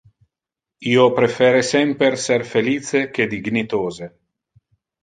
Io prefere sempre ser felice que dignitose.